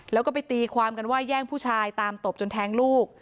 แล้วก็ไปตีความกันว่าแย่งผู้ชายตามตบจนแทงลูก